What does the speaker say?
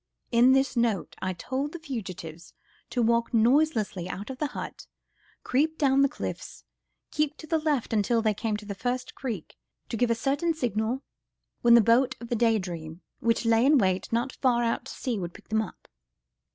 In this note I told the fugitives to walk noiselessly out of the hut, creep down the cliffs, keep to the left until they came to the first creek, to give a certain signal, when the boat of the Day Dream, which lay in wait not far out to sea, would pick them up.